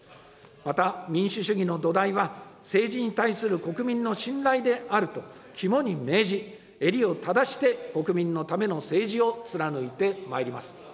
また、民主主義の土台は政治に対する国民の信頼であると、肝に銘じ、襟を正して国民のための政治を貫いてまいります。